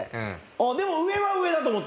でも上は上だと思ったんだ。